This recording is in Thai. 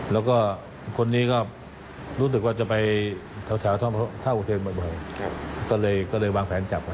แล้วก็คนนี้ก็รู้สึกว่าจะไปแถวท่าอุเทนบ่อยก็เลยวางแผนจับ